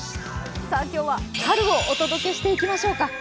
今日は春をお届けしていきましょうか。